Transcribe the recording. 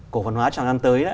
cổ phần hóa trong thời gian tới